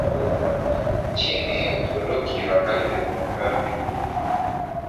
nchini Uturuki hadi wakaazi wa makazi duni